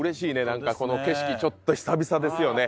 何かこの景色ちょっと久々ですよね